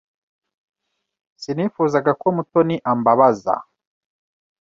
Sinifuzaga ko Mutoni ambabaza.